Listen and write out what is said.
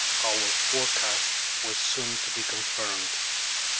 Our forecast was soon to be confirmed.